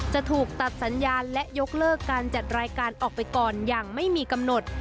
จะถูกตัดสัญญาณและยกเลิกการจัดรายการออกไปก่อนอย่างไม่มีกำหนด